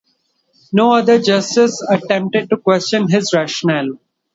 No other justice attempted to question his rationale.